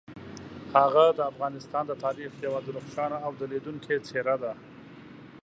هغه د افغانستان د تاریخ یوه درخشانه او ځلیدونکي څیره ده.